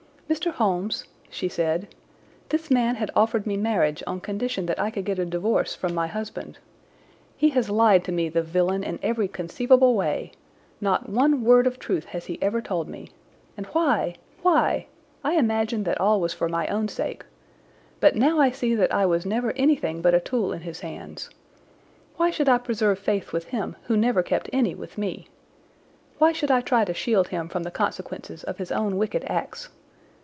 "Mr. Holmes," she said, "this man had offered me marriage on condition that I could get a divorce from my husband. He has lied to me, the villain, in every conceivable way. Not one word of truth has he ever told me. And why—why? I imagined that all was for my own sake. But now I see that I was never anything but a tool in his hands. Why should I preserve faith with him who never kept any with me? Why should I try to shield him from the consequences of his own wicked acts?